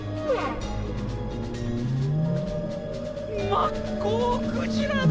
マッコウクジラだ！